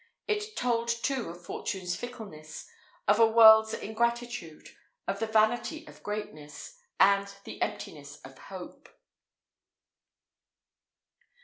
It told, too, of Fortune's fickleness of a world's ingratitude of the vanity of greatness and the emptiness of hope.